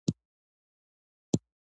د کشمشو لپاره ځانګړي انګور کارول کیږي.